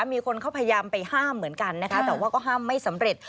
มีคนเขาพยายามไปห้ามเหมือนกันนะคะแต่ว่าก็ห้ามไม่สำเร็จ